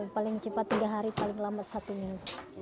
paling cepat tiga hari paling lambat satu minggu